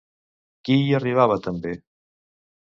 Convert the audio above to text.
Qui hi arribava també?